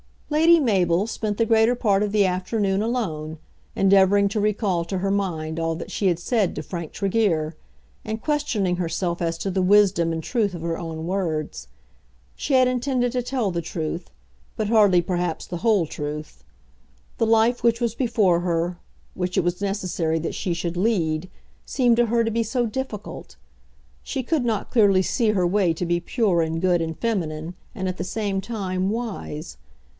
Lady Mabel spent the greater part of the afternoon alone, endeavouring to recall to her mind all that she had said to Frank Tregear, and questioning herself as to the wisdom and truth of her own words. She had intended to tell the truth, but hardly perhaps the whole truth. The life which was before her, which it was necessary that she should lead, seemed to her to be so difficult! She could not clearly see her way to be pure and good and feminine, and at the same time wise.